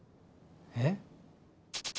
えっ？